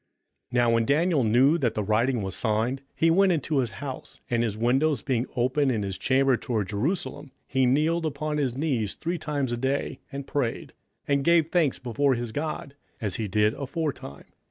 27:006:010 Now when Daniel knew that the writing was signed, he went into his house; and his windows being open in his chamber toward Jerusalem, he kneeled upon his knees three times a day, and prayed, and gave thanks before his God, as he did aforetime.